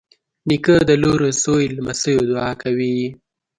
نیکه د لور، زوی، لمسيو دعا کوي.